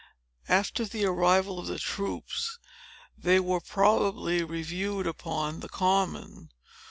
After the arrival of the troops, they were probably reviewed upon the Common.